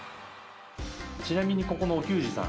ちなみにここのお給仕さん